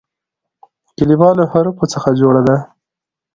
کلیمه له حروفو څخه جوړه ده.